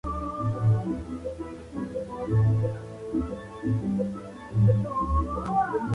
Era pesada y tenía dos "ojos" infra-rojos en la parte superior.